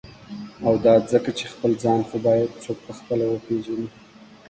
او دا ځکه چی » خپل ځان « خو باید څوک په خپله وپیژني.